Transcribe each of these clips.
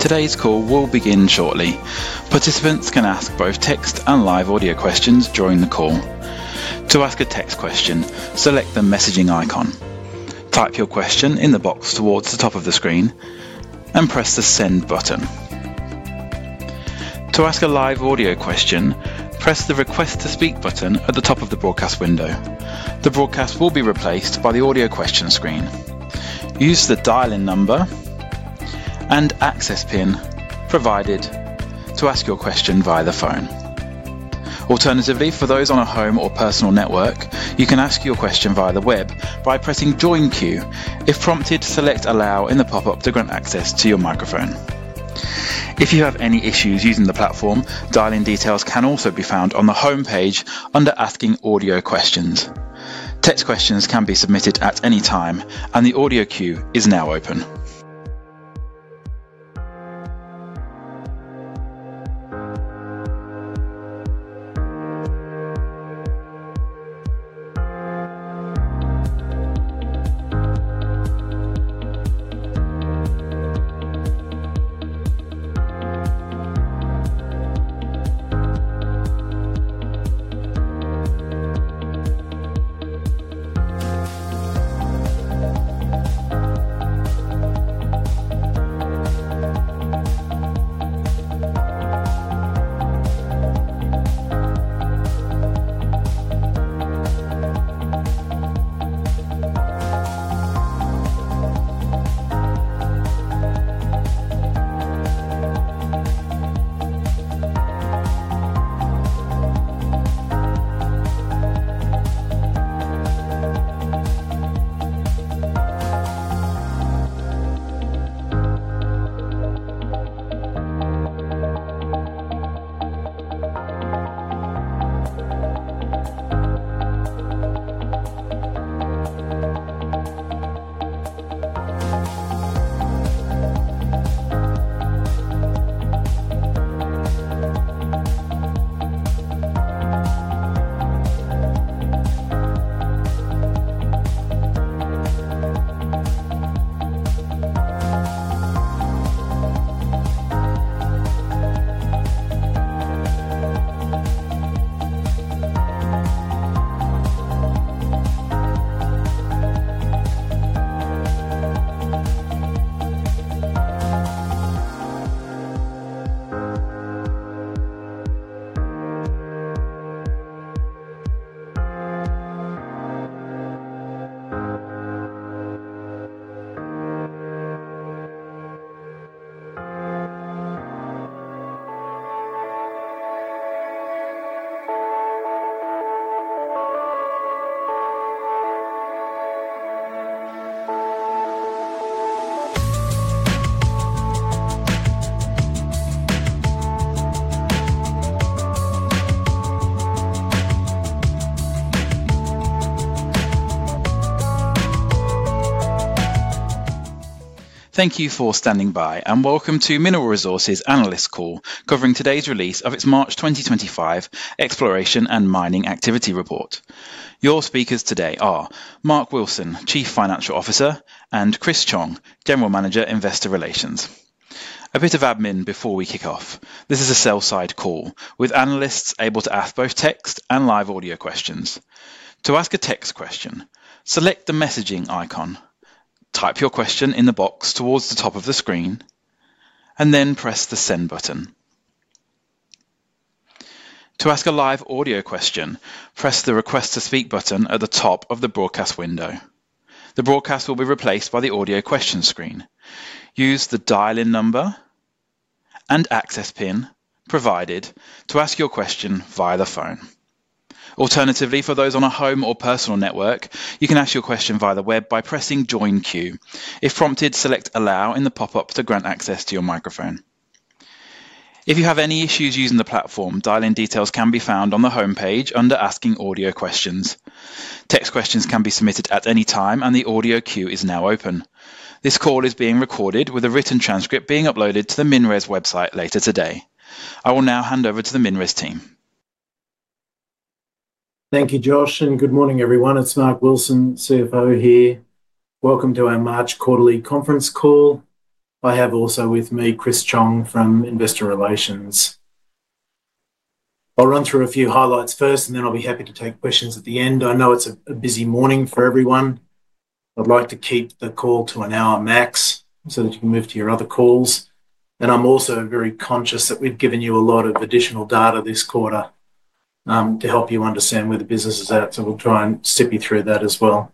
Today's call will begin shortly. Participants can ask both text and live audio questions during the call. To ask a text question, select the messaging icon. Type your question in the box towards the top of the screen and press the send button. To ask a live audio question, press the request to speak button at the top of the broadcast window. The broadcast will be replaced by the audio question screen. Use the dial-in number and access PIN provided to ask your question via the phone. Alternatively, for those on a home or personal network, you can ask your question via the web by pressing join queue. If prompted, select allow in the pop-up to grant access to your microphone. If you have any issues using the platform, dial-in details can also be found on the home page under asking audio questions. Text questions can be submitted at any time, and the audio queue is now open. Thank you for standing by, and welcome to Mineral Resources Analysts Call, covering today's release of its March 2025 Exploration and Mining Activity Report. Your speakers today are Mark Wilson, Chief Financial Officer, and Chris Chong, General Manager, Investor Relations. A bit of admin before we kick off. This is a sell-side call with analysts able to ask both text and live audio questions. To ask a text question, select the messaging icon, type your question in the box towards the top of the screen, and then press the send button. To ask a live audio question, press the request to speak button at the top of the broadcast window. The broadcast will be replaced by the audio question screen. Use the dial-in number and access PIN provided to ask your question via the phone. Alternatively, for those on a home or personal network, you can ask your question via the web by pressing join queue. If prompted, select allow in the pop-up to grant access to your microphone. If you have any issues using the platform, dial-in details can be found on the home page under asking audio questions. Text questions can be submitted at any time, and the audio queue is now open. This call is being recorded, with a written transcript being uploaded to the MinRes website later today. I will now hand over to the MinRes team. Thank you, Josh. Good morning, everyone. It's Mark Wilson, CFO here. Welcome to our March quarterly conference call. I have also with me Chris Chong from Investor Relations. I'll run through a few highlights first, and then I'll be happy to take questions at the end. I know it's a busy morning for everyone. I'd like to keep the call to an hour max so that you can move to your other calls. I'm also very conscious that we've given you a lot of additional data this quarter to help you understand where the business is at. We'll try and step you through that as well.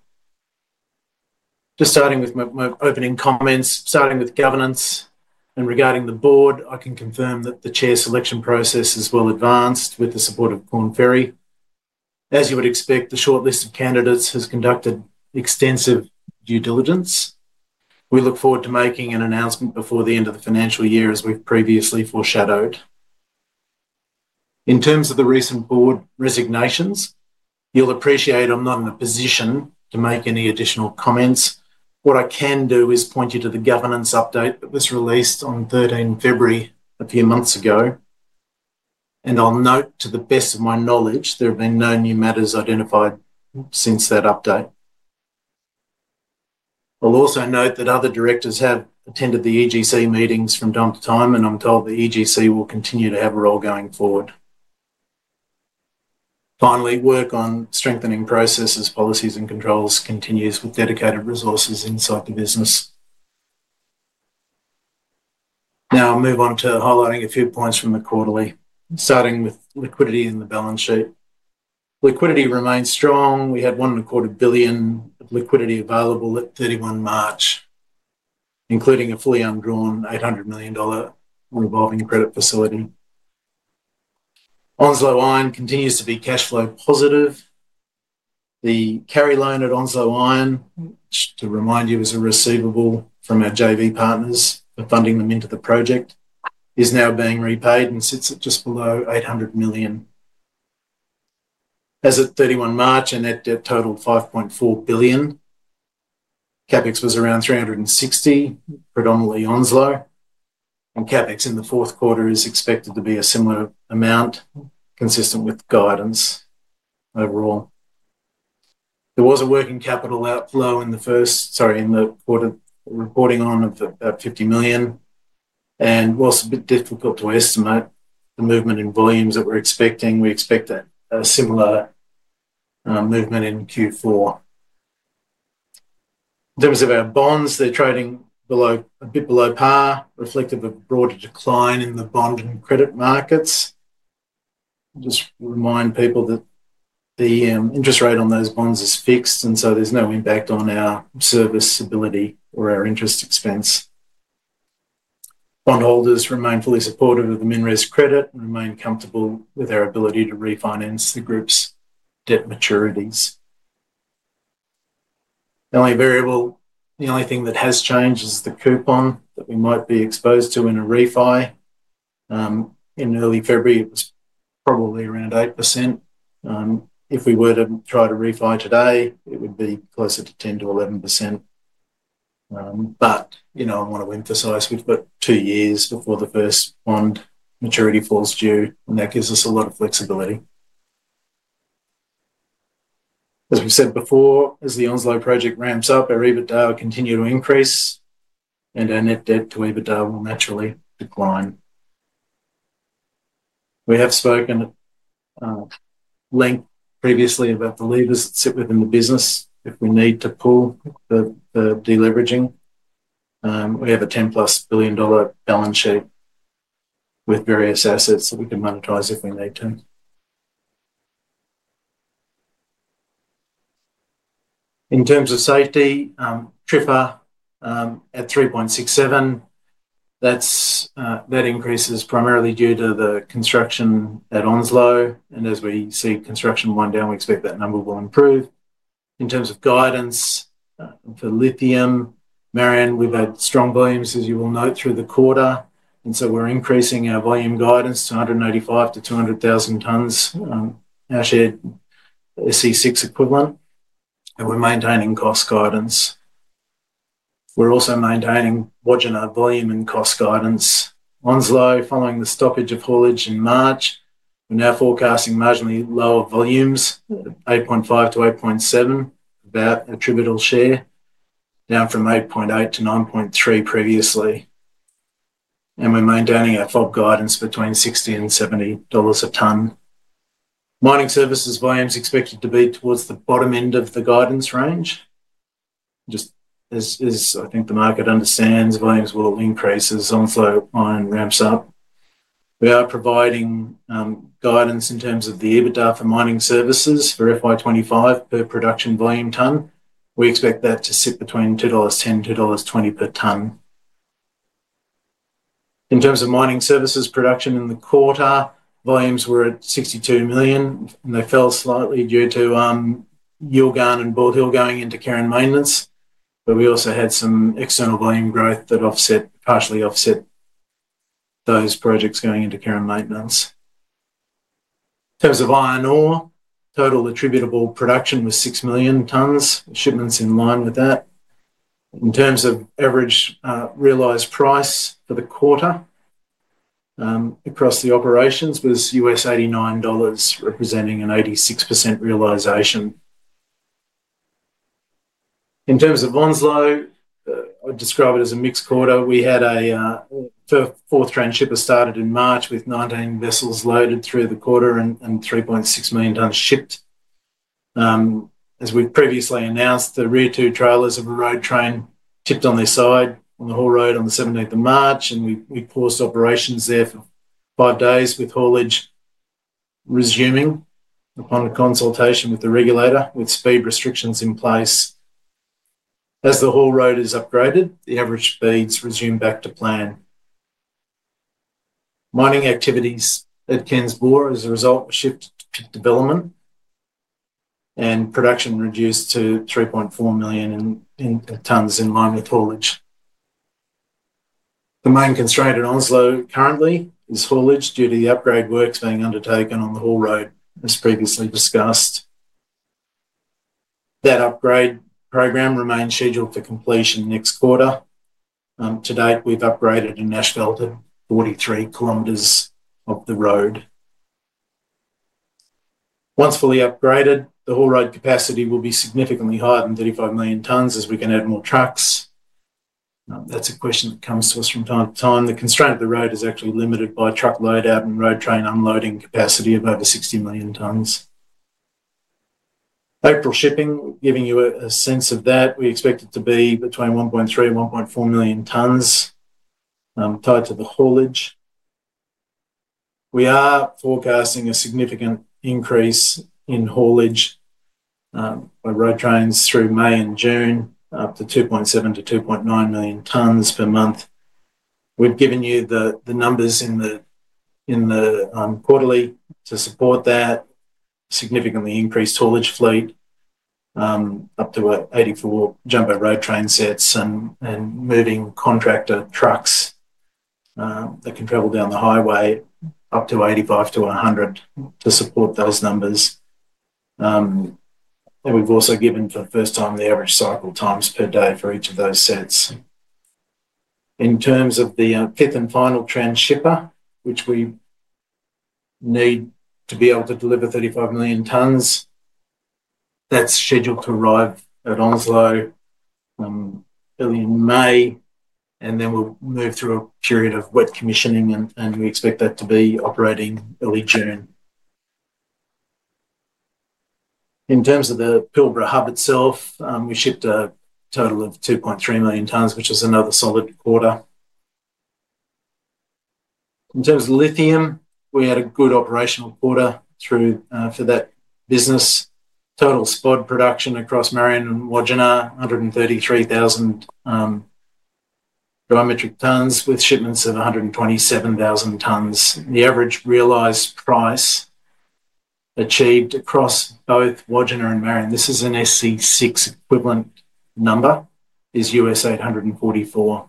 Just starting with my opening comments, starting with governance and regarding the board, I can confirm that the chair selection process is well advanced with the support of Korn Ferry. As you would expect, the shortlist of candidates has conducted extensive due diligence. We look forward to making an announcement before the end of the financial year, as we've previously foreshadowed. In terms of the recent board resignations, you'll appreciate I'm not in a position to make any additional comments. What I can do is point you to the governance update that was released on 13 February a few months ago. I will note, to the best of my knowledge, there have been no new matters identified since that update. I will also note that other directors have attended the EGC meetings from time to time, and I'm told the EGC will continue to have a role going forward. Finally, work on strengthening processes, policies, and controls continues with dedicated resources inside the business. Now I'll move on to highlighting a few points from the quarterly, starting with liquidity in the balance sheet. Liquidity remains strong. We had $1.25 billion of liquidity available at 31 March, including a fully undrawn $800 million revolving credit facility. Onslow Iron continues to be cash flow positive. The carry loan at Onslow Iron, which, to remind you, is a receivable from our JV partners for funding them into the project, is now being repaid and sits at just below $800 million. As of 31 March, net debt totaled $5.4 billion. CapEx was around $360 million, predominantly Onslow. CapEx in the fourth quarter is expected to be a similar amount, consistent with guidance overall. There was a working capital outflow in the quarter reporting on of about $50 million. Whilst a bit difficult to estimate the movement in volumes that we're expecting, we expect a similar movement in Q4. In terms of our bonds, they're trading a bit below par, reflective of a broader decline in the bond and credit markets. Just remind people that the interest rate on those bonds is fixed, and so there's no impact on our serviceability or our interest expense. Bondholders remain fully supportive of the MinRes credit and remain comfortable with our ability to refinance the group's debt maturities. The only variable, the only thing that has changed is the coupon that we might be exposed to in a refi. In early February, it was probably around 8%. If we were to try to refi today, it would be closer to 10-11%. I want to emphasize we've got two years before the first bond maturity falls due, and that gives us a lot of flexibility. As we've said before, as the Onslow project ramps up, our EBITDA will continue to increase, and our net debt to EBITDA will naturally decline. We have spoken at length previously about the levers that sit within the business if we need to pull the deleveraging. We have a $10 billion-plus balance sheet with various assets that we can monetize if we need to. In terms of safety, TRIFR at 3.67, that increases primarily due to the construction at Onslow. As we see construction wind down, we expect that number will improve. In terms of guidance for lithium, Marion, we've had strong volumes, as you will note, through the quarter. We're increasing our volume guidance to 185,000-200,000 tons as shared SC6 equivalent, and we're maintaining cost guidance. We're also maintaining Wodgina volume and cost guidance. Onslow, following the stoppage of haulage in March, we're now forecasting marginally lower volumes, 8.5-8.7 million attributable share, down from 8.8-9.3 million previously. We're maintaining our FOB guidance between $60 and $70 a tonne. Mining services volume is expected to be towards the bottom end of the guidance range. Just as I think the market understands, volumes will increase as Onslow Iron ramps up. We are providing guidance in terms of the EBITDA for mining services for FY 2025 per production volume tonne. We expect that to sit between $2.10 and $2.20 per tonne. In terms of mining services production in the quarter, volumes were at $62 million, and they fell slightly due to Yilgarn and Bald Hill going into care and maintenance. We also had some external volume growth that partially offset those projects going into care and maintenance. In terms of iron ore, total attributable production was 6 million tonnes, shipments in line with that. In terms of average realised price for the quarter across the operations was $89, representing an 86% realisation. In terms of Onslow, I'd describe it as a mixed quarter. We had a fourth transhipper started in March with 19 vessels loaded through the quarter and 3.6 million tonnes shipped. As we've previously announced, the rear two trailers of a road train tipped on their side on the haul road on the 17th of March, and we paused operations there for five days with haulage resuming upon consultation with the regulator with speed restrictions in place. As the haul road is upgraded, the average speeds resume back to plan. Mining activities at Ken's Bore as a result of shifted development and production reduced to 3.4 million tons in line with haulage. The main constraint at Onslow currently is haulage due to the upgrade works being undertaken on the haul road, as previously discussed. That upgrade program remains scheduled for completion next quarter. To date, we've upgraded and asphalted 43 km of the road. Once fully upgraded, the haul road capacity will be significantly higher than 35 million tons as we can add more trucks. That's a question that comes to us from time to time. The constraint of the road is actually limited by truck loadout and road train unloading capacity of over 60 million tonnes. April shipping, giving you a sense of that, we expect it to be between 1.3 and 1.4 million tonnes tied to the haulage. We are forecasting a significant increase in haulage by road trains through May and June, up to 2.7-2.9 million tonnes per month. We've given you the numbers in the quarterly to support that, significantly increased haulage fleet, up to 84 jumbo road train sets and moving contractor trucks that can travel down the highway, up to 85-100 to support those numbers. We have also given for the first time the average cycle times per day for each of those sets. In terms of the fifth and final transhipper, which we need to be able to deliver 35 million tonnes, that's scheduled to arrive at Onslow early in May, and then we'll move through a period of wet commissioning, and we expect that to be operating early June. In terms of the Pilbara hub itself, we shipped a total of 2.3 million tonnes, which is another solid quarter. In terms of lithium, we had a good operational quarter for that business. Total spodumene production across Mt Marion and Wodgina, 133,000 dry metric tonnes with shipments of 127,000 tonnes. The average realised price achieved across both Wodgina and Mt Marion, this is an SC6 equivalent number, is $844.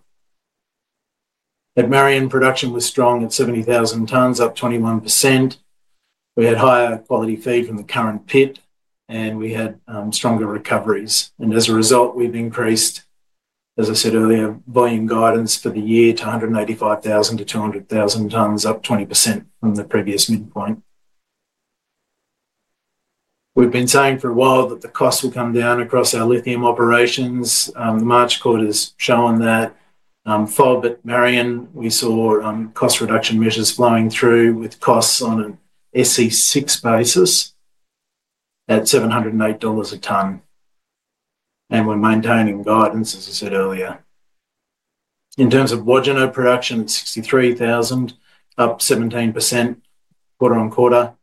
At Mt Marion, production was strong at 70,000 tonnes, up 21%. We had higher quality feed from the current pit, and we had stronger recoveries. As a result, we've increased, as I said earlier, volume guidance for the year to 185,000-200,000 tonnes, up 20% from the previous midpoint. We've been saying for a while that the cost will come down across our lithium operations. The March quarter has shown that. FOB at Mt Marion, we saw cost reduction measures flowing through with costs on an SC6 basis at $708 a tonne. We're maintaining guidance, as I said earlier. In terms of Wodgina production, it's 63,000, up 17% quarter on quarter.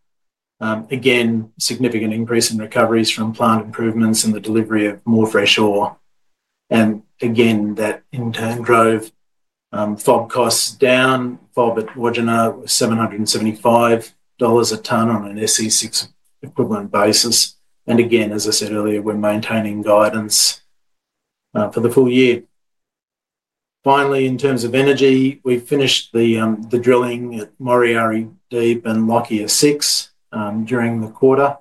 Again, significant increase in recoveries from plant improvements and the delivery of more fresh ore. That in turn drove FOB costs down. FOB at Wodgina was $775 a tonne on an SC6 equivalent basis. As I said earlier, we're maintaining guidance for the full year. Finally, in terms of energy, we finished the drilling at Moriary Deep and Lockyer-6 during the quarter.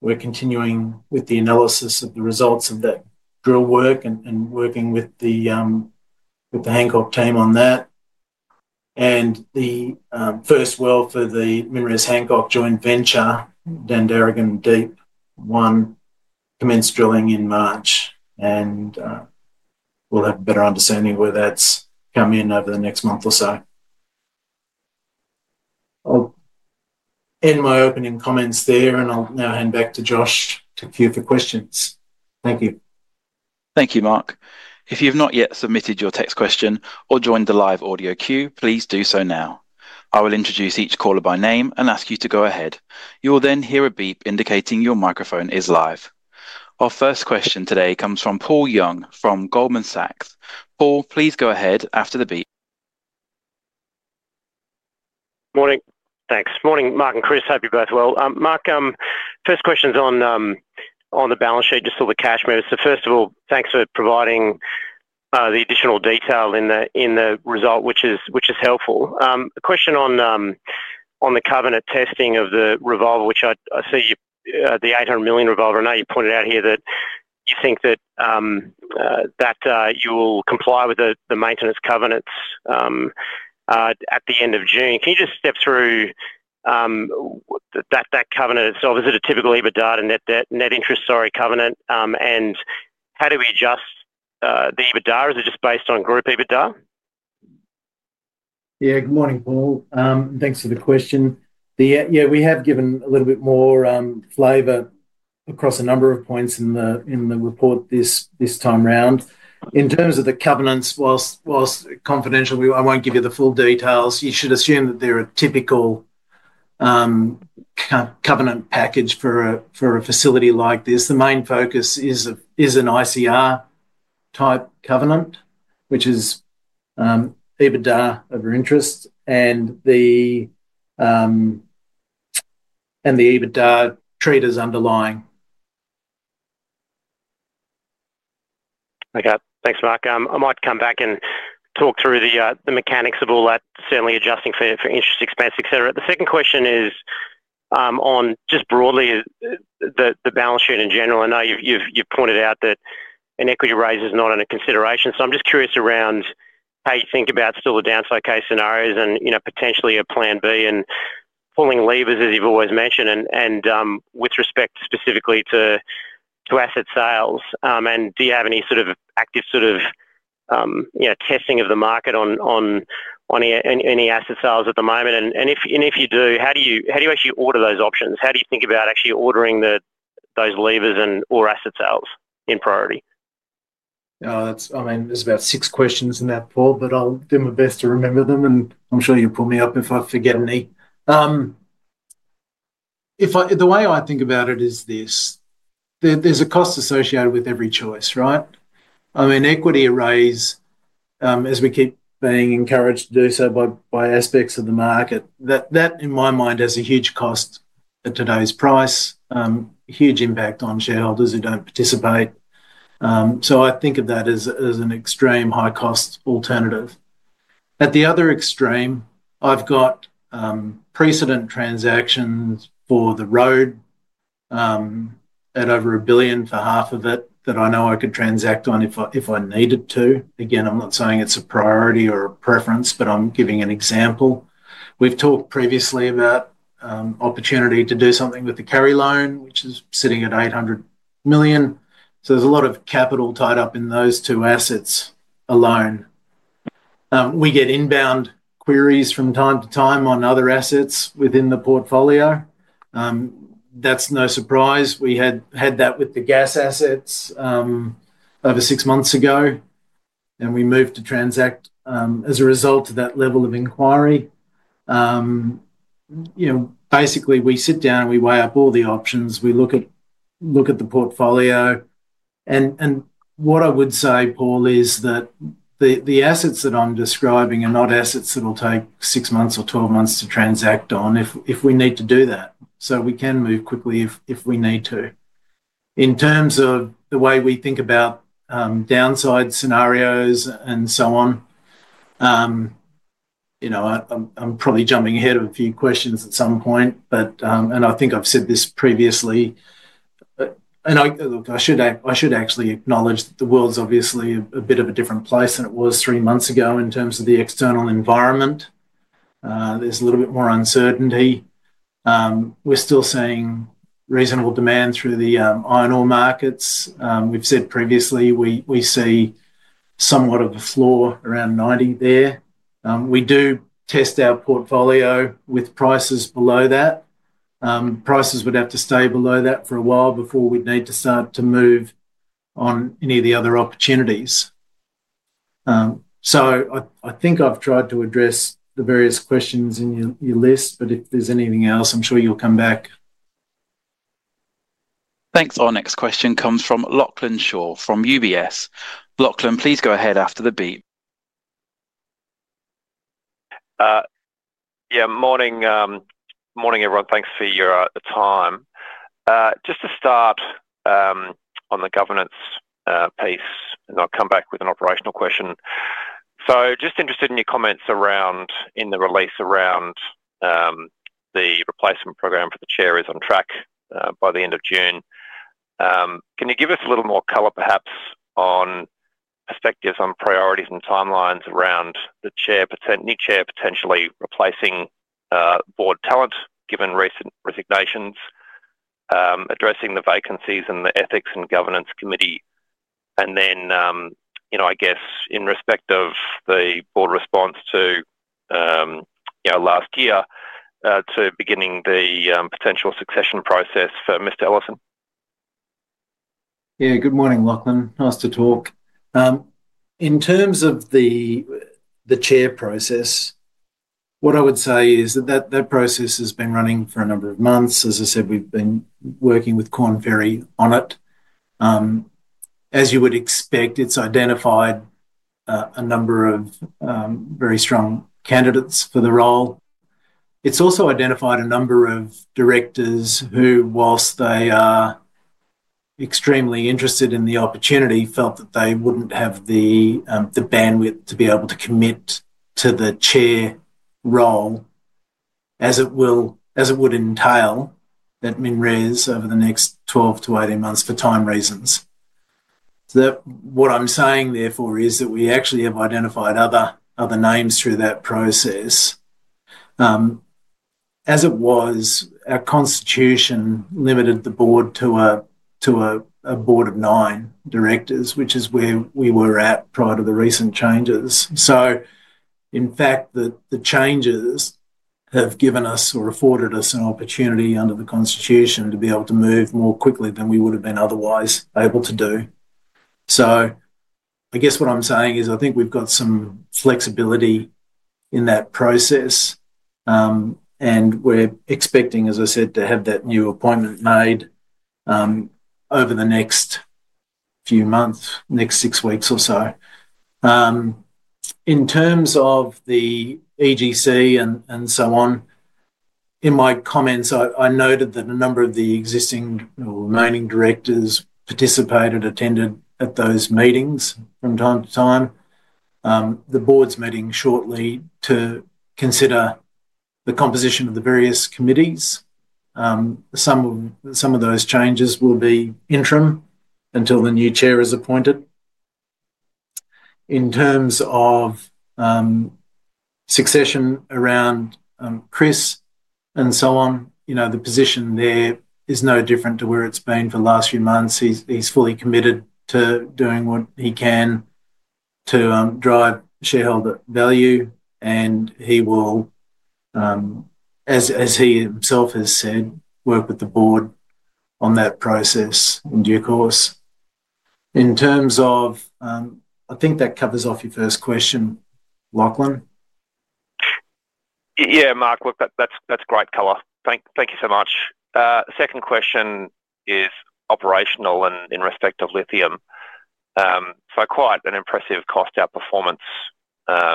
We're continuing with the analysis of the results of that drill work and working with the Hancock team on that. The first well for the MinRes Hancock Joint Venture, Dandaragan Deep One, commenced drilling in March. We will have a better understanding where that's come in over the next month or so. I'll end my opening comments there, and I'll now hand back to Josh to queue for questions. Thank you. Thank you, Mark. If you have not yet submitted your text question or joined the live audio queue, please do so now. I will introduce each caller by name and ask you to go ahead. You will then hear a beep indicating your microphone is live. Our first question today comes from Paul Young from Goldman Sachs. Paul, please go ahead after the beep. Morning. Thanks. Morning, Mark and Chris. Hope you're both well. Mark, first question's on the balance sheet, just all the cash moves. First of all, thanks for providing the additional detail in the result, which is helpful. A question on the covenant testing of the revolver, which I see the $800 million revolver. I know you pointed out here that you think that you will comply with the maintenance covenants at the end of June. Can you just step through that covenant itself? Is it a typical EBITDA and net interest, sorry, covenant? And how do we adjust the EBITDA? Is it just based on group EBITDA? Yeah. Good morning, Paul. Thanks for the question. Yeah, we have given a little bit more flavour across a number of points in the report this time around. In terms of the covenants, whilst confidential, I won't give you the full details. You should assume that they're a typical covenant package for a facility like this. The main focus is an ICR type covenant, which is EBITDA over interest, and the EBITDA treat is underlying. Okay. Thanks, Mark. I might come back and talk through the mechanics of all that, certainly adjusting for interest expense, etc. The second question is on just broadly the balance sheet in general. I know you've pointed out that an equity raise is not a consideration. I am just curious around how you think about still the downside case scenarios and potentially a plan B and pulling levers, as you've always mentioned, and with respect specifically to asset sales. Do you have any sort of active sort of testing of the market on any asset sales at the moment? If you do, how do you actually order those options? How do you think about actually ordering those levers or asset sales in priority? I mean, there's about six questions in that, Paul, but I'll do my best to remember them, and I'm sure you'll pull me up if I forget any. The way I think about it is this: there's a cost associated with every choice, right? I mean, equity raise, as we keep being encouraged to do so by aspects of the market, that in my mind has a huge cost at today's price, huge impact on shareholders who don't participate. I think of that as an extreme high-cost alternative. At the other extreme, I've got precedent transactions for the road at over $1 billion for half of it that I know I could transact on if I needed to. Again, I'm not saying it's a priority or a preference, but I'm giving an example. We've talked previously about opportunity to do something with the carry loan, which is sitting at $800 million. There is a lot of capital tied up in those two assets alone. We get inbound queries from time to time on other assets within the portfolio. That's no surprise. We had that with the gas assets over six months ago, and we moved to transact as a result of that level of inquiry. Basically, we sit down and we weigh up all the options. We look at the portfolio. What I would say, Paul, is that the assets that I'm describing are not assets that will take six months or twelve months to transact on if we need to do that. We can move quickly if we need to. In terms of the way we think about downside scenarios and so on, I'm probably jumping ahead of a few questions at some point, and I think I've said this previously. I should actually acknowledge that the world's obviously a bit of a different place than it was three months ago in terms of the external environment. There's a little bit more uncertainty. We're still seeing reasonable demand through the iron ore markets. We've said previously we see somewhat of a floor around $90 there. We do test our portfolio with prices below that. Prices would have to stay below that for a while before we'd need to start to move on any of the other opportunities. I think I've tried to address the various questions in your list, but if there's anything else, I'm sure you'll come back. Thanks. Our next question comes from Lachlan Shaw from UBS. Lachlan, please go ahead after the beep. Yeah. Morning, everyone. Thanks for your time. Just to start on the governance piece, and I'll come back with an operational question. Just interested in your comments in the release around the replacement program for the chair is on track by the end of June. Can you give us a little more color, perhaps, on perspectives on priorities and timelines around the chair potentially replacing board talent given recent resignations, addressing the vacancies in the ethics and governance committee, and then, I guess, in respect of the board response to last year to beginning the potential succession process for Mr. Ellison? Yeah. Good morning, Lachlan. Nice to talk. In terms of the chair process, what I would say is that that process has been running for a number of months. As I said, we've been working with Korn Ferry on it. As you would expect, it's identified a number of very strong candidates for the role. It's also identified a number of directors who, whilst they are extremely interested in the opportunity, felt that they wouldn't have the bandwidth to be able to commit to the chair role as it would entail at MinRes over the next 12 to 18 months for time reasons. What I'm saying, therefore, is that we actually have identified other names through that process. As it was, our constitution limited the board to a board of nine directors, which is where we were at prior to the recent changes. In fact, the changes have given us or afforded us an opportunity under the constitution to be able to move more quickly than we would have been otherwise able to do. I guess what I'm saying is I think we've got some flexibility in that process, and we're expecting, as I said, to have that new appointment made over the next few months, next six weeks or so. In terms of the EGC and so on, in my comments, I noted that a number of the existing or remaining directors participated, attended at those meetings from time to time. The board's meeting shortly to consider the composition of the various committees. Some of those changes will be interim until the new chair is appointed. In terms of succession around Chris and so on, the position there is no different to where it's been for the last few months. He's fully committed to doing what he can to drive shareholder value, and he will, as he himself has said, work with the board on that process in due course. In terms of I think that covers off your first question, Lachlan. Yeah, Mark, look, that's great color. Thank you so much. Second question is operational in respect of lithium. So quite an impressive cost outperformance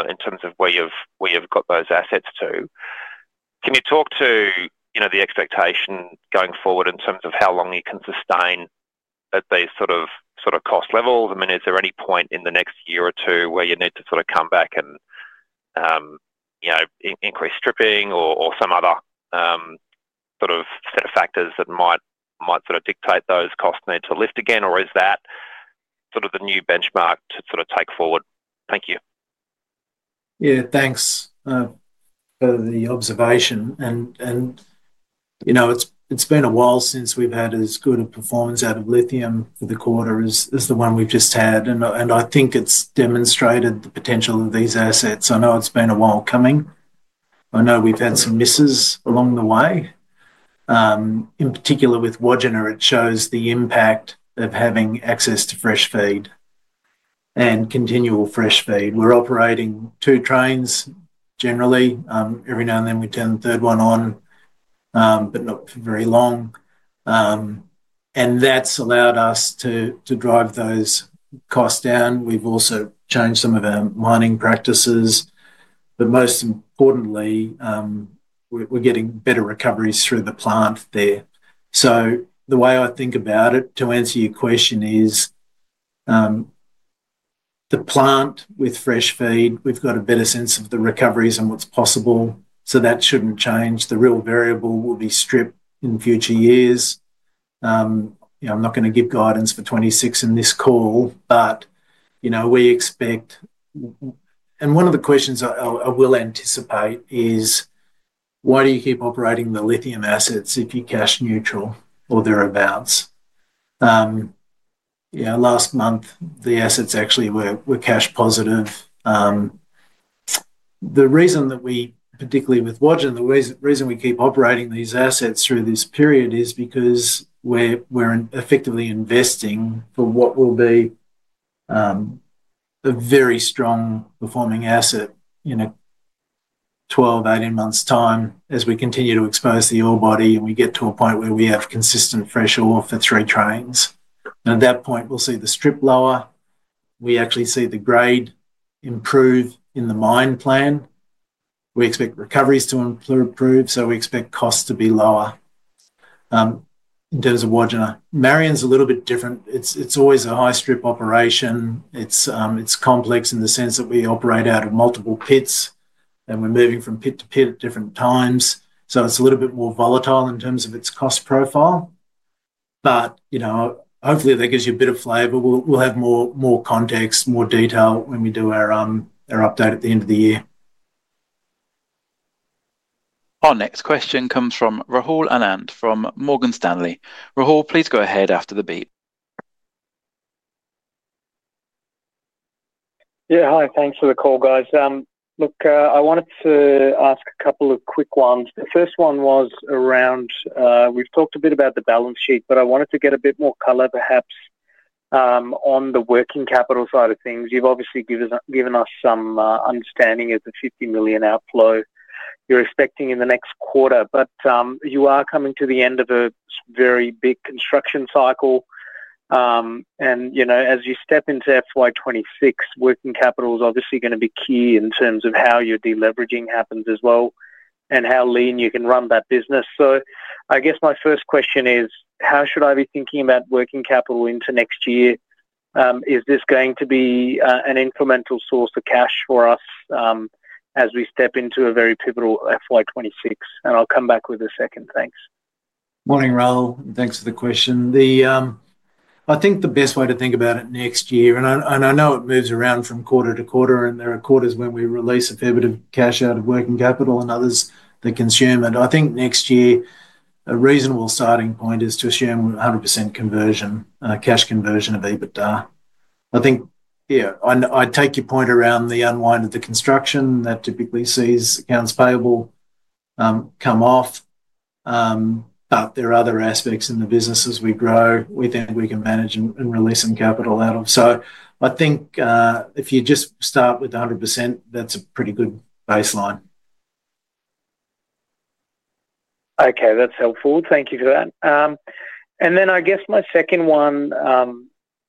in terms of where you've got those assets to. Can you talk to the expectation going forward in terms of how long you can sustain at these sort of cost levels? I mean, is there any point in the next year or two where you need to sort of come back and increase stripping or some other sort of set of factors that might sort of dictate those costs need to lift again, or is that sort of the new benchmark to sort of take forward? Thank you. Yeah, thanks for the observation. It has been a while since we've had as good a performance out of lithium for the quarter as the one we've just had. I think it has demonstrated the potential of these assets. I know it has been a while coming. I know we've had some misses along the way. In particular, with Wodgina, it shows the impact of having access to fresh feed and continual fresh feed. We're operating two trains generally. Every now and then, we turn the third one on, but not for very long. That has allowed us to drive those costs down. We've also changed some of our mining practices. Most importantly, we're getting better recoveries through the plant there. The way I think about it, to answer your question, is the plant with fresh feed, we've got a better sense of the recoveries and what's possible. That should not change. The real variable will be strip in future years. I'm not going to give guidance for 2026 in this call, but we expect and one of the questions I will anticipate is, why do you keep operating the lithium assets if you're cash neutral or thereabouts? Last month, the assets actually were cash positive. The reason that we, particularly with Wodgina, the reason we keep operating these assets through this period is because we're effectively investing for what will be a very strong performing asset in a 12-18 months' time as we continue to expose the ore body and we get to a point where we have consistent fresh ore for three trains. At that point, we'll see the strip lower. We actually see the grade improve in the mine plan. We expect recoveries to improve, so we expect costs to be lower in terms of Wodgina. Marion's a little bit different. It's always a high-strip operation. It's complex in the sense that we operate out of multiple pits, and we're moving from pit to pit at different times. It's a little bit more volatile in terms of its cost profile. Hopefully, that gives you a bit of flavour. We'll have more context, more detail when we do our update at the end of the year. Our next question comes from Rahul Anand from Morgan Stanley. Rahul, please go ahead after the beep. Yeah. Hi. Thanks for the call, guys. Look, I wanted to ask a couple of quick ones. The first one was around we've talked a bit about the balance sheet, but I wanted to get a bit more colour, perhaps, on the working capital side of things. You've obviously given us some understanding of the $50 million outflow you're expecting in the next quarter, but you are coming to the end of a very big construction cycle. As you step into FY 2026, working capital is obviously going to be key in terms of how your deleveraging happens as well and how lean you can run that business. I guess my first question is, how should I be thinking about working capital into next year? Is this going to be an incremental source of cash for us as we step into a very pivotal FY 2026? I'll come back with a second. Thanks. Morning, Rahul. Thanks for the question. I think the best way to think about it next year, and I know it moves around from quarter to quarter, and there are quarters when we release a fair bit of cash out of working capital and others that consume. I think next year, a reasonable starting point is to assume 100% conversion, cash conversion of EBITDA. I think, yeah, I take your point around the unwind of the construction that typically sees accounts payable come off, but there are other aspects in the business as we grow we think we can manage and release some capital out of. I think if you just start with 100%, that's a pretty good baseline. Okay. That's helpful. Thank you for that. I guess my second one,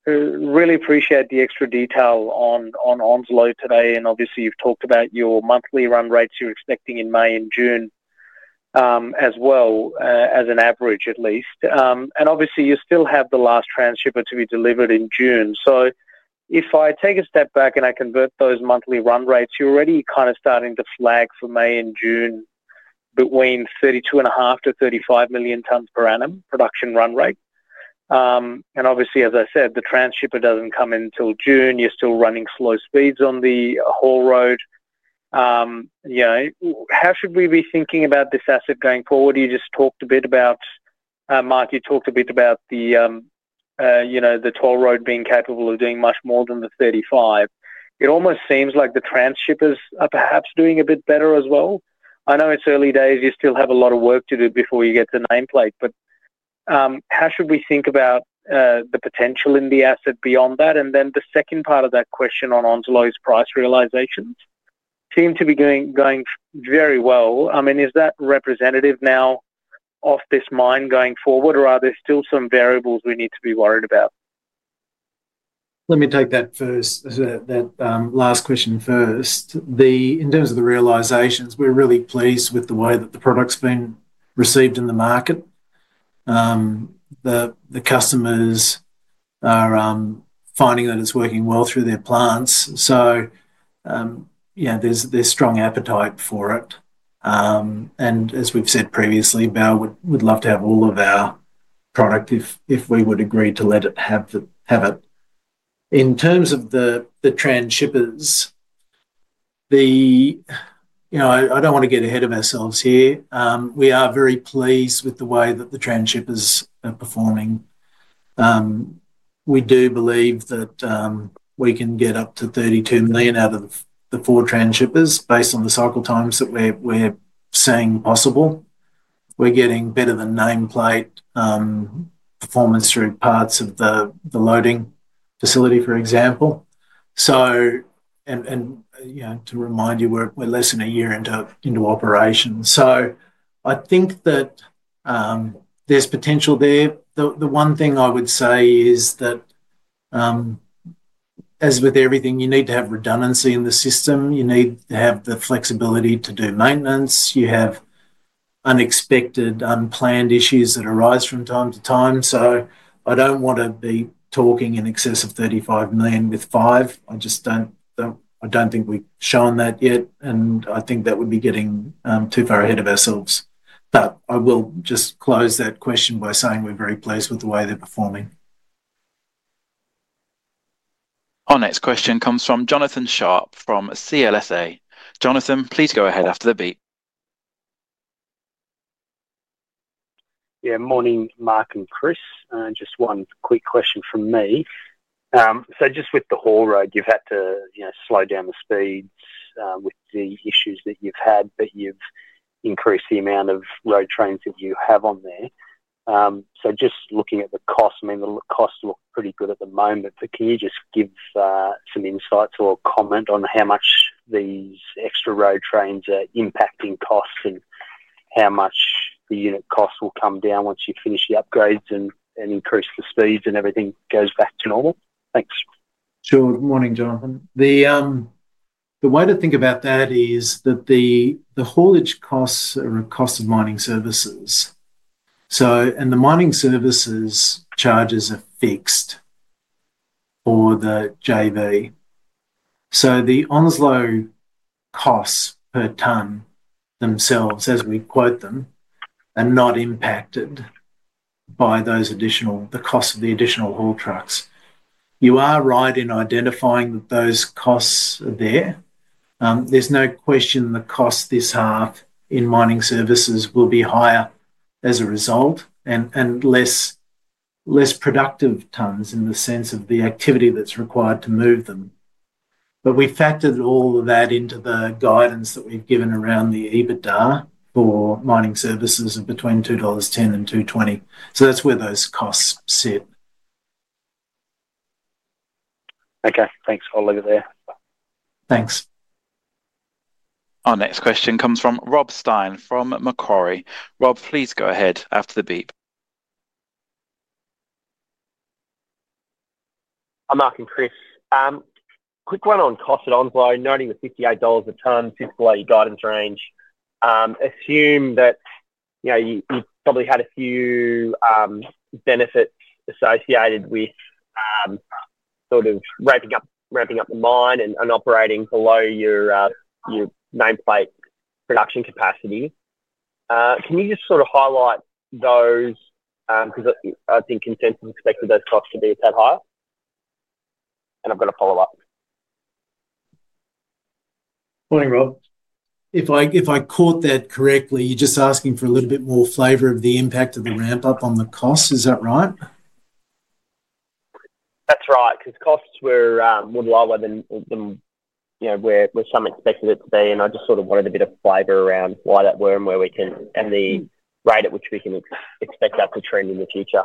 really appreciate the extra detail on Onslow today. Obviously, you've talked about your monthly run rates you're expecting in May and June as well, as an average at least. Obviously, you still have the last transshipper to be delivered in June. If I take a step back and I convert those monthly run rates, you're already kind of starting to flag for May and June between 32.5-35 million tonnes per annum production run rate. Obviously, as I said, the transshipper doesn't come in till June. You're still running slow speeds on the haul road. How should we be thinking about this asset going forward? You just talked a bit about, Mark, you talked a bit about the toll road being capable of doing much more than the 35. It almost seems like the transshippers are perhaps doing a bit better as well. I know it's early days. You still have a lot of work to do before you get to nameplate, but how should we think about the potential in the asset beyond that? The second part of that question on Onslow's price realisations seem to be going very well. I mean, is that representative now of this mine going forward, or are there still some variables we need to be worried about? Let me take that first, that last question first. In terms of the realisations, we're really pleased with the way that the product's been received in the market. The customers are finding that it's working well through their plants. There is strong appetite for it. As we've said previously, Baowu would love to have all of our product if we would agree to let it have it. In terms of the transshippers, I do not want to get ahead of ourselves here. We are very pleased with the way that the transshippers are performing. We do believe that we can get up to 32 million out of the four transshippers based on the cycle times that we're seeing possible. We're getting better than nameplate performance through parts of the loading facility, for example. To remind you, we're less than a year into operation. I think that there's potential there. The one thing I would say is that, as with everything, you need to have redundancy in the system. You need to have the flexibility to do maintenance. You have unexpected, unplanned issues that arise from time to time. I do not want to be talking in excess of 35 million with five. I do not think we've shown that yet, and I think that would be getting too far ahead of ourselves. I will just close that question by saying we're very pleased with the way they're performing. Our next question comes from Jonathan Sharp from CLSA. Jonathan, please go ahead after the beep. Yeah. Morning, Mark and Chris. Just one quick question from me. Just with the haul road, you've had to slow down the speeds with the issues that you've had, but you've increased the amount of road trains that you have on there. Just looking at the cost, I mean, the costs look pretty good at the moment, but can you just give some insights or comment on how much these extra road trains are impacting costs and how much the unit costs will come down once you finish the upgrades and increase the speeds and everything goes back to normal? Thanks. Sure. Morning, Jonathan. The way to think about that is that the haulage costs are a cost of mining services. The mining services charges are fixed for the JV. The Onslow costs per tonne themselves, as we quote them, are not impacted by the cost of the additional haul trucks. You are right in identifying that those costs are there. There's no question the cost this half in mining services will be higher as a result and less productive tonnes in the sense of the activity that's required to move them. We factored all of that into the guidance that we've given around the EBITDA for mining services of between $2.10 and $2.20. That's where those costs sit. Okay. Thanks. I'll leave it there. Thanks. Our next question comes from Rob Stein from Macquarie. Rob, please go ahead after the beep. Hi Mark and Chris. Quick one on cost at Onslow, noting the $58 a tonne sits below guidance range. Assume that you probably had a few benefits associated with sort of ramping up the mine and operating below your nameplate production capacity. Can you just sort of highlight those? Because I think consensus expected those costs to be that high. I have got a follow-up. Morning, Rob. If I caught that correctly, you are just asking for a little bit more flavour of the impact of the ramp-up on the costs. Is that right? That is right. Because costs were lower than where some expected it to be. I just sort of wanted a bit of flavour around why that were and where we can and the rate at which we can expect that to trend in the future.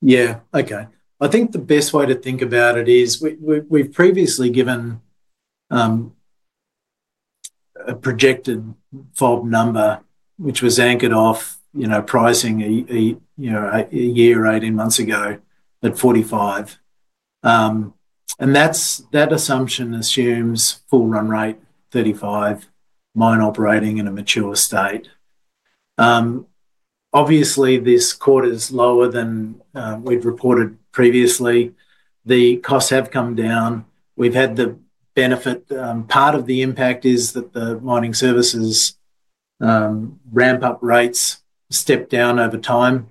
Yeah. Okay. I think the best way to think about it is we've previously given a projected fault number, which was anchored off pricing a year or 18 months ago at 45. That assumption assumes full run rate, 35, mine operating in a mature state. Obviously, this quarter is lower than we'd reported previously. The costs have come down. We've had the benefit part of the impact is that the mining services ramp-up rates step down over time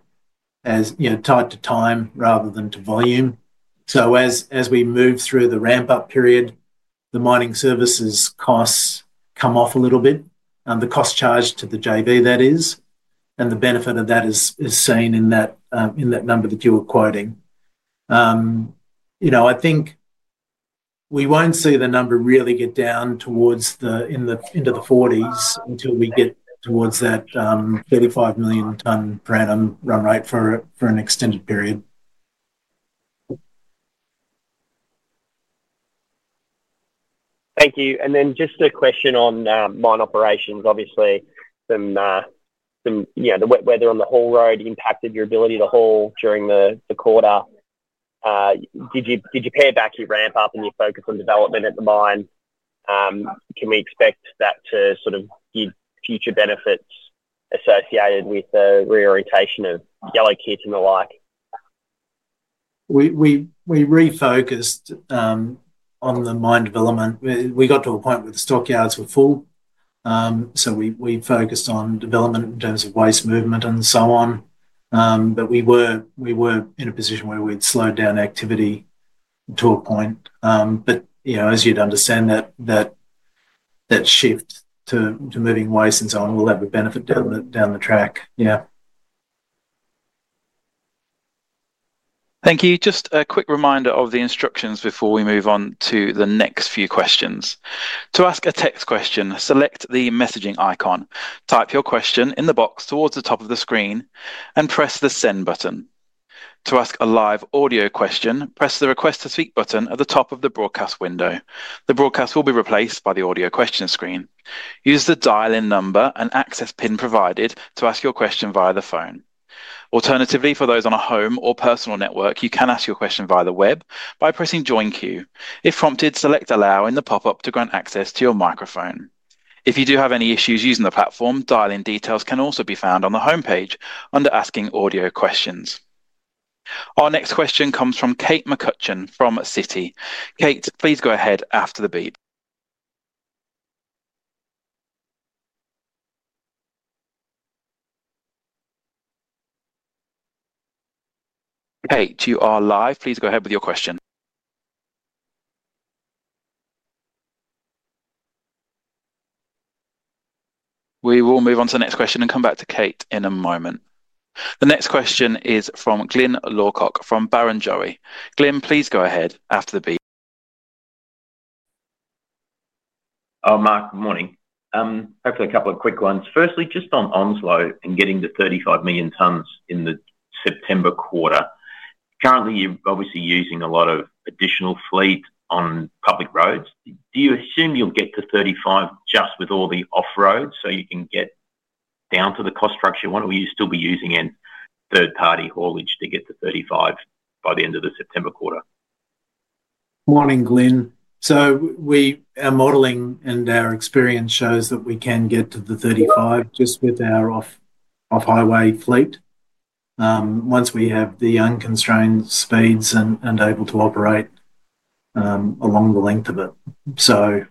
tied to time rather than to volume. As we move through the ramp-up period, the mining services costs come off a little bit. The cost charge to the JV, that is. The benefit of that is seen in that number that you were quoting. I think we won't see the number really get down towards the into the 40s until we get towards that 35 million tonne per annum run rate for an extended period. Thank you. Just a question on mine operations. Obviously, the weather on the haul road impacted your ability to haul during the quarter. Did you pare back your ramp-up and your focus on development at the mine? Can we expect that to sort of give future benefits associated with the reorientation of yellow kit and the like? We refocused on the mine development. We got to a point where the stockyards were full. We focused on development in terms of waste movement and so on. We were in a position where we'd slowed down activity to a point. As you'd understand, that shift to moving waste and so on will have a benefit down the track. Yeah. Thank you. Just a quick reminder of the instructions before we move on to the next few questions. To ask a text question, select the messaging icon. Type your question in the box towards the top of the screen and press the send button. To ask a live audio question, press the request-to-speak button at the top of the broadcast window. The broadcast will be replaced by the audio question screen. Use the dial-in number and access PIN provided to ask your question via the phone. Alternatively, for those on a home or personal network, you can ask your question via the web by pressing Join Queue. If prompted, select Allow in the pop-up to grant access to your microphone. If you do have any issues using the platform, dial-in details can also be found on the homepage under Asking Audio Questions. Our next question comes from Kate McCutcheon from Citi. Kate, please go ahead after the beep. Kate, you are live. Please go ahead with your question. We will move on to the next question and come back to Kate in a moment. The next question is from Glyn Lawcock from Barrenjoey. Glyn, please go ahead after the beep. Oh, Mark, good morning. Hopefully, a couple of quick ones. Firstly, just on Onslow and getting to 35 million tonnes in the September quarter. Currently, you're obviously using a lot of additional fleet on public roads. Do you assume you'll get to 35 just with all the off-road so you can get down to the cost structure you want? Will you still be using third-party haulage to get to 35 by the end of the September quarter? Morning, Glyn. Our modelling and our experience shows that we can get to the 35 just with our off-highway fleet once we have the unconstrained speeds and are able to operate along the length of it.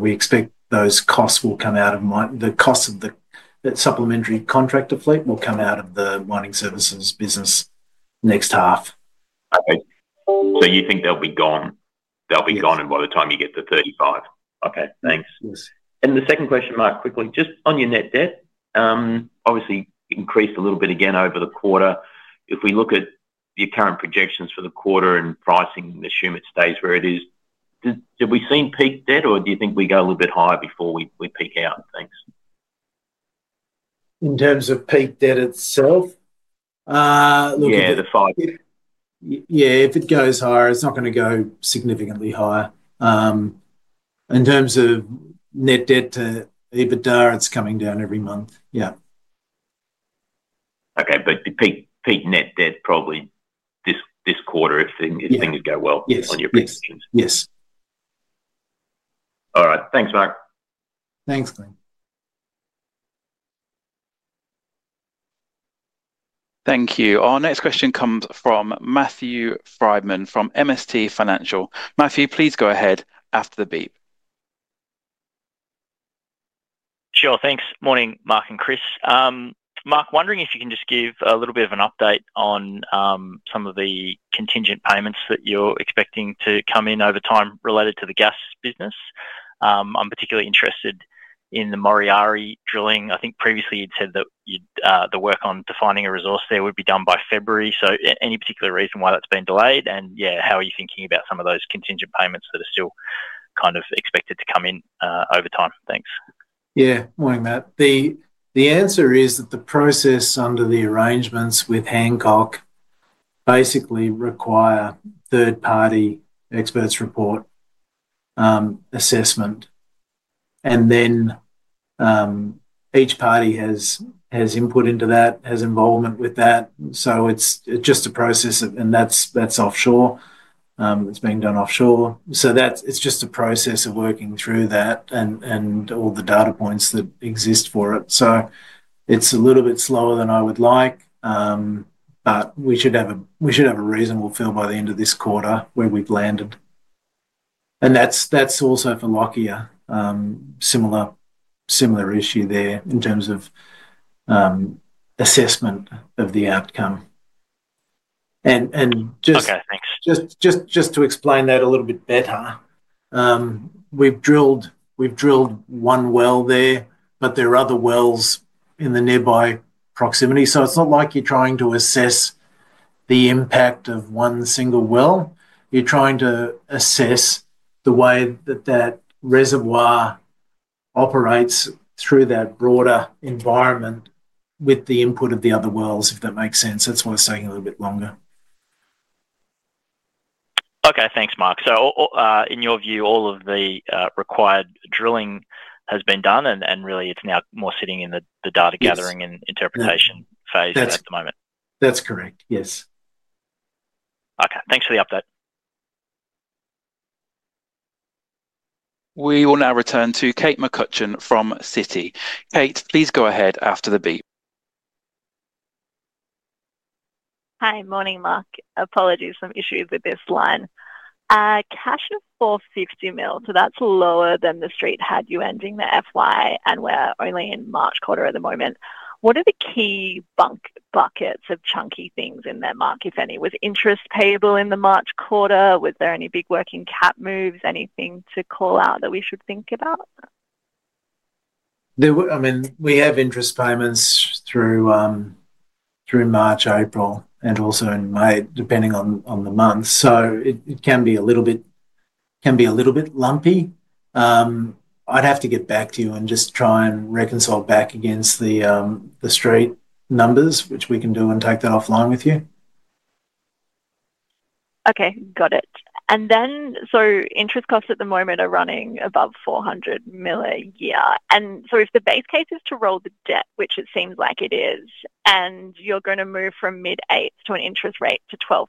We expect those costs will come out of the costs of the supplementary contractor fleet, will come out of the mining services business next half. Okay. You think they'll be gone? They'll be gone by the time you get to 35? Okay. Thanks. Yes. The second question, Mark, quickly, just on your net debt, obviously increased a little bit again over the quarter. If we look at your current projections for the quarter and pricing, assume it stays where it is. Have we seen peak debt, or do you think we go a little bit higher before we peak out and things? In terms of peak debt itself? Yeah, the five. Yeah. If it goes higher, it's not going to go significantly higher. In terms of net debt to EBITDA, it's coming down every month. Yeah. Okay. But peak net debt probably this quarter if things go well on your projections? Yes. Yes. All right. Thanks, Mark. Thanks, Glyn. Thank you. Our next question comes from Matthew Frydman from MST Financial. Matthew, please go ahead after the beep. Sure. Thanks. Morning, Mark and Chris. Mark, wondering if you can just give a little bit of an update on some of the contingent payments that you're expecting to come in over time related to the gas business. I'm particularly interested in the Moriary drilling. I think previously you'd said that the work on defining a resource there would be done by February. Is there any particular reason why that's been delayed? Yeah, how are you thinking about some of those contingent payments that are still kind of expected to come in over time? Thanks. Yeah. Morning, Matt. The answer is that the process under the arrangements with Hancock basically requires a third-party expert's report assessment. Each party has input into that, has involvement with that. It is just a process, and that is offshore. It is being done offshore. It is just a process of working through that and all the data points that exist for it. It is a little bit slower than I would like, but we should have a reasonable feel by the end of this quarter where we've landed. That is also for Lockyer. Similar issue there in terms of assessment of the outcome. Just to explain that a little bit better, we've drilled one well there, but there are other wells in the nearby proximity. It's not like you're trying to assess the impact of one single well. You're trying to assess the way that that reservoir operates through that broader environment with the input of the other wells, if that makes sense. That's why it's taking a little bit longer. Okay. Thanks, Mark. In your view, all of the required drilling has been done, and really it's now more sitting in the data gathering and interpretation phase at the moment. That's correct. Yes. Okay. Thanks for the update. We will now return to Kate McCutcheon from Citi. Kate, please go ahead after the beep. Hi. Morning, Mark. Apologies for some issues with this line. Cash of $450 million, so that's lower than the street had you ending the FY, and we're only in March quarter at the moment. What are the key buckets of chunky things in there, Mark, if any? Was interest payable in the March quarter? Was there any big working cap moves, anything to call out that we should think about? I mean, we have interest payments through March, April, and also in May, depending on the month. It can be a little bit lumpy. I'd have to get back to you and just try and reconcile back against the street numbers, which we can do and take that offline with you. Okay. Got it. Interest costs at the moment are running above $400 million a year. If the base case is to roll the debt, which it seems like it is, and you're going to move from mid-eighths to an interest rate to 12%,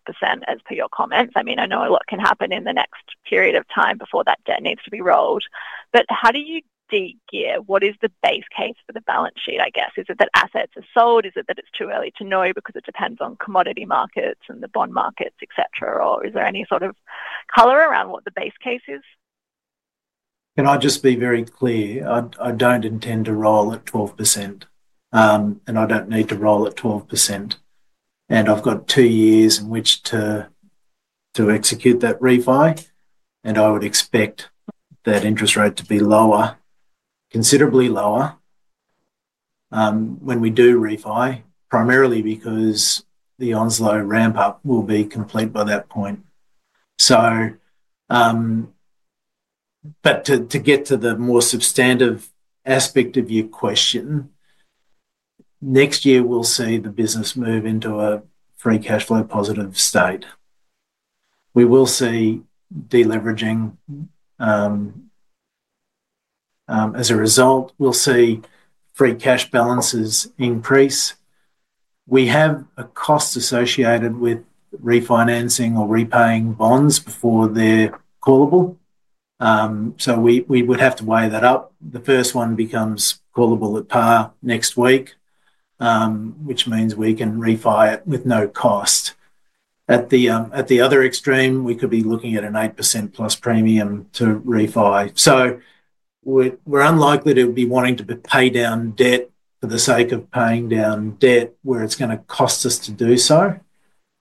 as per your comments, I mean, I know a lot can happen in the next period of time before that debt needs to be rolled. How do you de-gear? What is the base case for the balance sheet, I guess? Is it that assets are sold? Is it that it's too early to know because it depends on commodity markets and the bond markets, etc.? Is there any sort of color around what the base case is? Can I just be very clear? I don't intend to roll at 12%, and I don't need to roll at 12%. I've got two years in which to execute that refi. I would expect that interest rate to be lower, considerably lower, when we do refi, primarily because the Onslow ramp-up will be complete by that point. To get to the more substantive aspect of your question, next year, we'll see the business move into a free cash flow positive state. We will see deleveraging. As a result, we'll see free cash balances increase. We have a cost associated with refinancing or repaying bonds before they're callable. We would have to weigh that up. The first one becomes callable at par next week, which means we can refi it with no cost. At the other extreme, we could be looking at an 8% plus premium to refi. We're unlikely to be wanting to pay down debt for the sake of paying down debt where it's going to cost us to do so.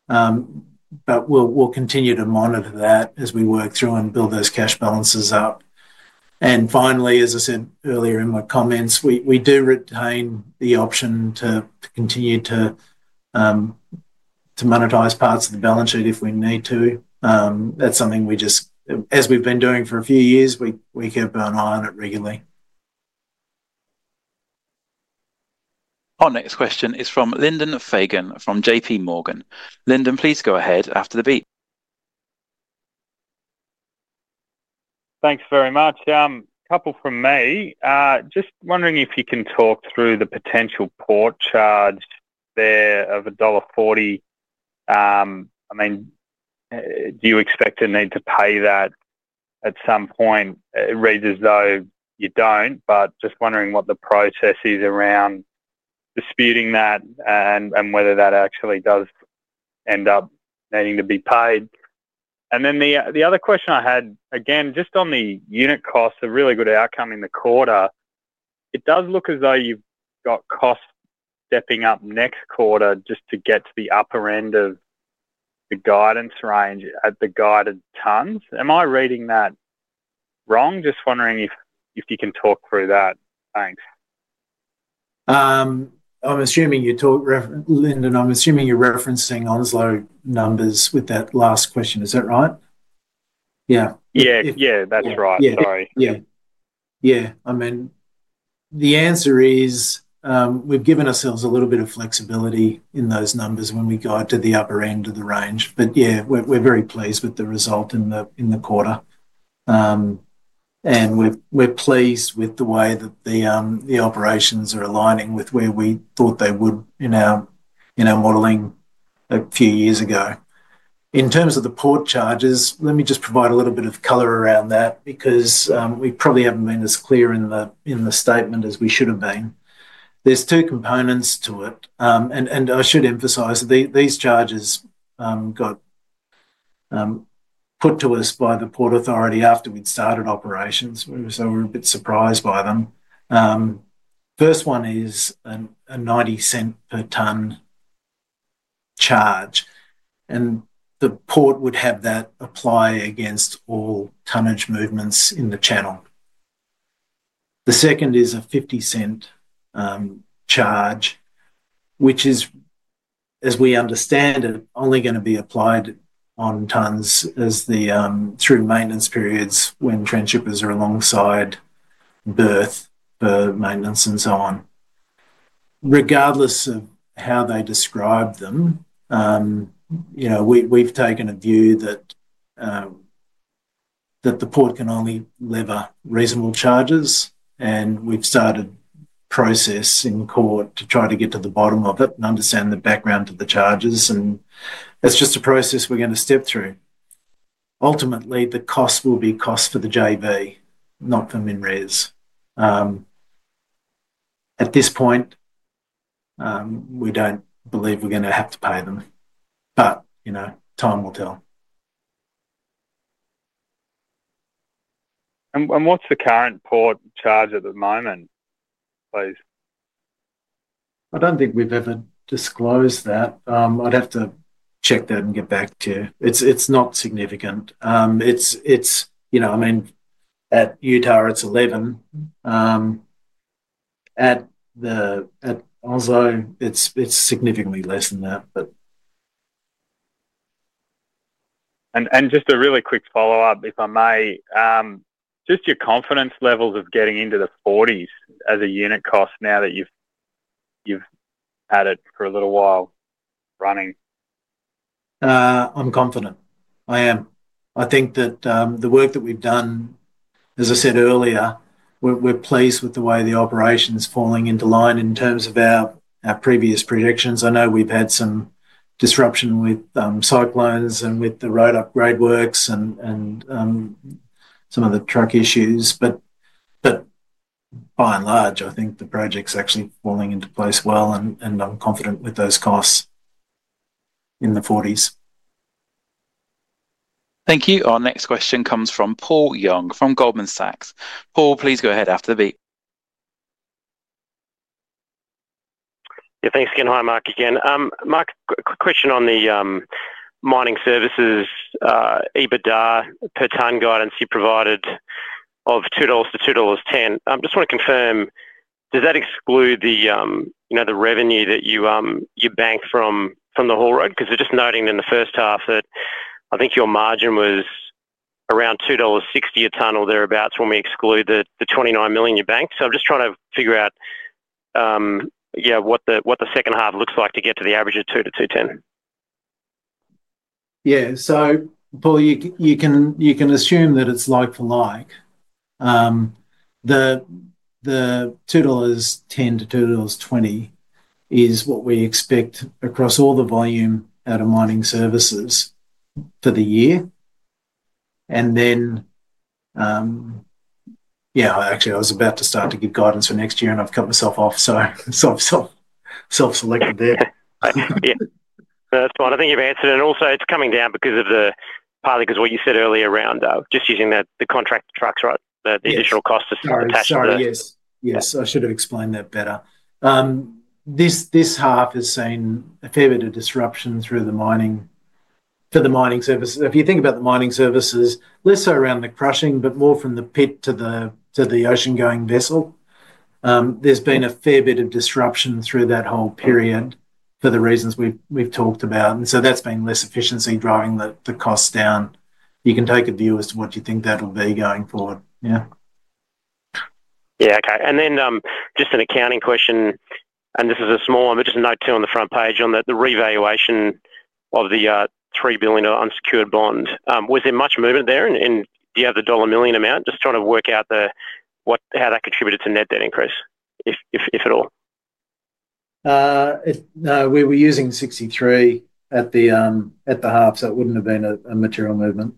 We will continue to monitor that as we work through and build those cash balances up. Finally, as I said earlier in my comments, we do retain the option to continue to monetize parts of the balance sheet if we need to. That is something we just, as we have been doing for a few years, we keep our eye on it regularly. Our next question is from Lyndon Fagan from JPMorgan. Lyndon, please go ahead after the beep. Thanks very much. A couple from me. Just wondering if you can talk through the potential port charge there of $1.40. I mean, do you expect to need to pay that at some point? It reads as though you do not, but just wondering what the process is around disputing that and whether that actually does end up needing to be paid. Then the other question I had, again, just on the unit cost, a really good outcome in the quarter. It does look as though you've got costs stepping up next quarter just to get to the upper end of the guidance range at the guided tons. Am I reading that wrong? Just wondering if you can talk through that. Thanks. Lyndon, I'm assuming you're referencing Onslow numbers with that last question. Is that right? Yeah. Yeah. That's right. Sorry. Yeah. Yeah. I mean, the answer is we've given ourselves a little bit of flexibility in those numbers when we go to the upper end of the range. But yeah, we're very pleased with the result in the quarter. And we're pleased with the way that the operations are aligning with where we thought they would in our modelling a few years ago. In terms of the port charges, let me just provide a little bit of color around that because we probably have not been as clear in the statement as we should have been. There are two components to it. I should emphasize these charges got put to us by the port authority after we had started operations. We were a bit surprised by them. The first one is a $0.90 per tonne charge, and the port would have that apply against all tonnage movements in the channel. The second is a $0.50 charge, which is, as we understand it, only going to be applied on tonnes through maintenance periods when transshippers are alongside berth for maintenance and so on. Regardless of how they describe them, we have taken a view that the port can only lever reasonable charges. We've started process in court to try to get to the bottom of it and understand the background to the charges. That's just a process we're going to step through. Ultimately, the cost will be cost for the JV, not for MinRes. At this point, we don't believe we're going to have to pay them. Time will tell. What's the current port charge at the moment, please? I don't think we've ever disclosed that. I'd have to check that and get back to you. It's not significant. I mean, at Utah, it's 11. At Onslow, it's significantly less than that. Just a really quick follow-up, if I may. Just your confidence levels of getting into the 40s as a unit cost now that you've had it for a little while running. I'm confident. I am. I think that the work that we've done, as I said earlier, we're pleased with the way the operation is falling into line in terms of our previous projections. I know we've had some disruption with cyclones and with the road upgrade works and some of the truck issues. By and large, I think the project's actually falling into place well, and I'm confident with those costs in the 40s. Thank you. Our next question comes from Paul Young from Goldman Sachs. Paul, please go ahead after the beep. Yeah. Thanks again. Hi, Mark again. Mark, quick question on the mining services EBITDA per tonne guidance you provided of $2 to $2.10. I just want to confirm, does that exclude the revenue that you bank from the haul road? Because they're just noting in the first half that I think your margin was around $2.60 a tonne or thereabouts when we exclude the $29 million you banked. I'm just trying to figure out, yeah, what the second half looks like to get to the average of $2 to $2.10. Yeah. Paul, you can assume that it's like-for-like. The $2.10-$2.20 is what we expect across all the volume out of mining services for the year. Actually, I was about to start to give guidance for next year, and I've cut myself off, so I've self-selected there. That's fine. I think you've answered it. Also, it's coming down partly because of what you said earlier around just using the contract trucks, right? The additional costs are attached to the. Yes. Yes. I should have explained that better. This half has seen a fair bit of disruption through the mining services. If you think about the mining services, less so around the crushing, but more from the pit to the ocean-going vessel. There's been a fair bit of disruption through that whole period for the reasons we've talked about. That's been less efficiency driving the costs down. You can take a view as to what you think that will be going forward. Yeah. Yeah. Okay. Then just an accounting question. This is a small one, but just a note too on the front page on the revaluation of the $3 billion unsecured bond. Was there much movement there in, yeah, the $1 million amount? Just trying to work out how that contributed to net debt increase, if at all. We were using 63 at the half, so it wouldn't have been a material movement.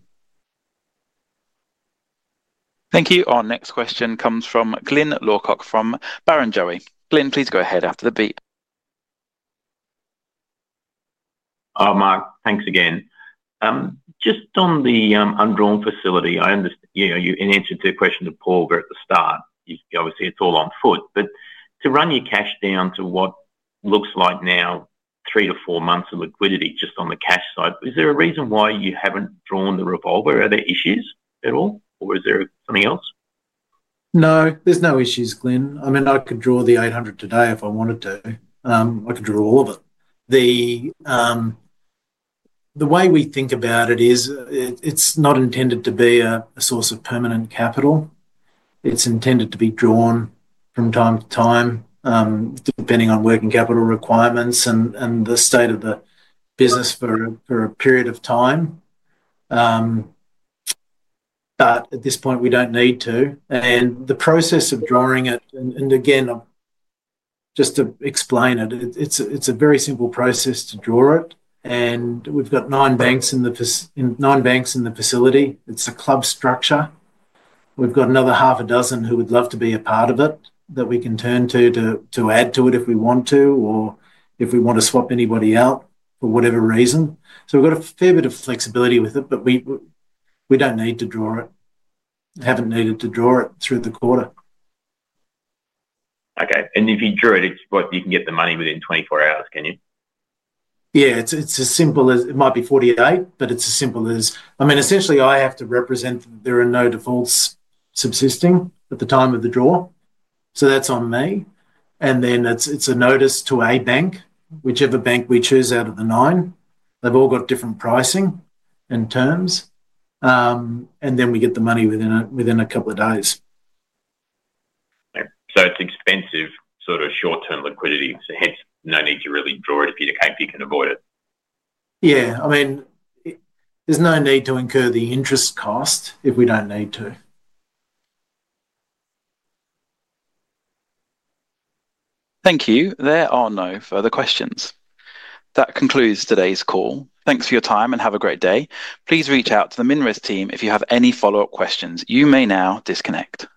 Thank you. Our next question comes from Glyn Lawcock from Barrenjoey. Glyn, please go ahead after the beep. Hi, Mark. Thanks again. Just on the undrawn facility, I understand you answered the question to Paul there at the start. Obviously, it's all on foot. To run your cash down to what looks like now three to four months of liquidity just on the cash side, is there a reason why you haven't drawn the revolver? Are there issues at all? Is there something else? No. There's no issues, Glyn. I mean, I could draw the $800 million today if I wanted to. I could draw all of it. The way we think about it is it's not intended to be a source of permanent capital. It's intended to be drawn from time to time depending on working capital requirements and the state of the business for a period of time. At this point, we don't need to. The process of drawing it, and again, just to explain it, it's a very simple process to draw it. We've got nine banks in the facility. It's a club structure. We've got another half a dozen who would love to be a part of it that we can turn to add to it if we want to or if we want to swap anybody out for whatever reason. We've got a fair bit of flexibility with it, but we don't need to draw it. We haven't needed to draw it through the quarter. Okay. If you drew it, you can get the money within 24 hours, can you? Yeah. It's as simple as it might be 48, but it's as simple as I mean, essentially, I have to represent there are no defaults subsisting at the time of the draw. That's on me. Then it's a notice to a bank, whichever bank we choose out of the nine. They've all got different pricing and terms. Then we get the money within a couple of days. Okay. It's expensive sort of short-term liquidity. Hence, no need to really draw it if you can avoid it. Yeah. There's no need to incur the interest cost if we don't need to. Thank you. There are no further questions. That concludes today's call. Thanks for your time and have a great day. Please reach out to the MinRes team if you have any follow-up questions. You may now disconnect.